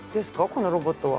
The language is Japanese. このロボットは。